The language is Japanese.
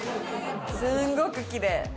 すごくきれい。